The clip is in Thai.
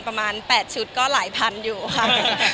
ประมาณ๘ชุดก็หลายพันอยู่ค่ะ